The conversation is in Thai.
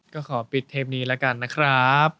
ก็ขอปิดเทปนี้แล้วกันนะครับ